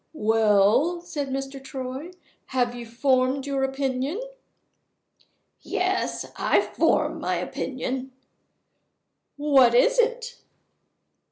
"Well?" said Mr. Troy. "Have you formed your opinion?" "Yes; I've formed my opinion." "What is it?"